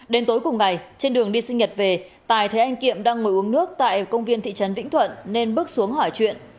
đến tối cùng ngày trên đường đi sinh nhật về tài thấy anh kiệm đang ngồi uống nước tại công viên thị trấn vĩnh thuận nên bước xuống hỏi chuyện